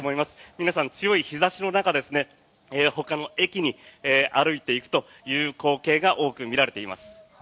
皆さん、強い日差しの中ほかの駅に歩いていくという光景が多く見られています。